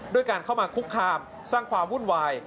ด้วยการเข้ามาคุกคามสร้างความวุ่นวาย